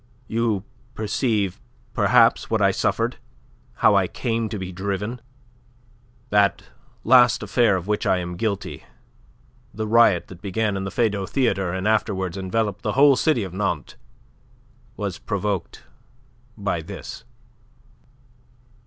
You perceive, perhaps, what I suffered, how I came to be driven. That last affair of which I am guilty the riot that began in the Feydau Theatre and afterwards enveloped the whole city of Nantes was provoked by this."